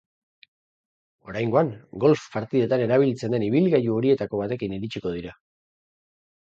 Oraingoan golf partidetan erabiltzen den ibilgailu horietako batekin iritsiko dira.